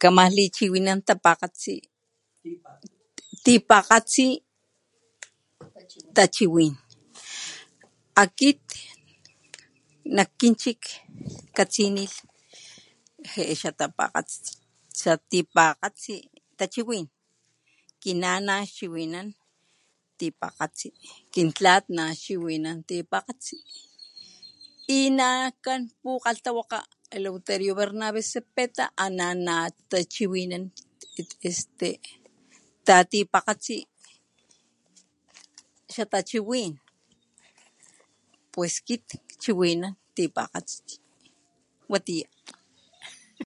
Kaman lichiwinan tapakgatsi tipakgatsi tachiwin akit nak kin chik katsinilh je'e xa tapakga xa tipakgatsi tachiwin kinana naxchiwinan tipakgatsi kin tlat naxchiwinan tipakgatsi y nakan pukgalhtawakga Eleuterio Bernabe Zepeta ana natachiwinan este ta tipakgatsi xa tachiwin pues kit kchiwinan tipakgatsi. Watiya.